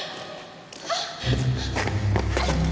あっ！